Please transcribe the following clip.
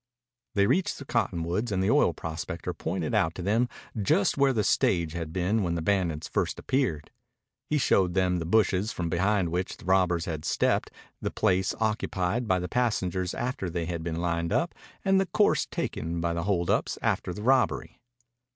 They reached the cottonwoods, and the oil prospector pointed out to them just where the stage had been when the bandits first appeared. He showed them the bushes from behind which the robbers had stepped, the place occupied by the passengers after they had been lined up, and the course taken by the hold ups after the robbery.